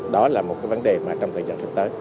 đó là một cái vấn đề mà trong thời gian sắp tới